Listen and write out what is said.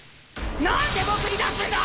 何で僕に出すんだ！